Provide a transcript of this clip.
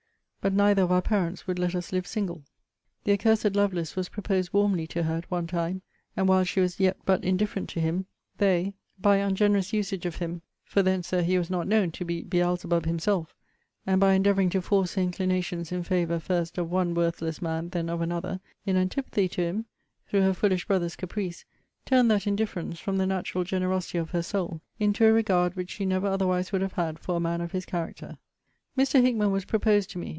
But neither of our parents would let us live single. The accursed Lovelace was proposed warmly to her at one time; and, while she was yet but indifferent to him, they, by ungenerous usage of him, (for then, Sir, he was not known to be Beelzebub himself,) and by endeavouring to force her inclinations in favour first of one worthless man, then of another, in antipathy to him, through her foolish brother's caprice, turned that indifference (from the natural generosity of her soul) into a regard which she never otherwise would have had for a man of his character. Mr. Hickman was proposed to me.